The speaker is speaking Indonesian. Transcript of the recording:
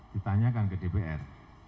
ditanyakan ke dpr